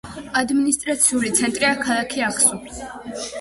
ადმინისტრაციული ცენტრია ქალაქი აღსუ.